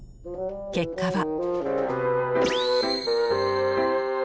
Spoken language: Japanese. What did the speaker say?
結果は。